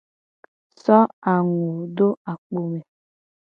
So angu do akpo me.